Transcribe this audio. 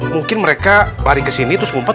mungkin mereka laring ke sini terus ngumpet